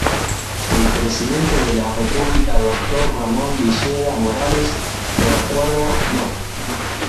El Presidente de la República Dr. Ramón Villeda Morales, por Acuerdo No.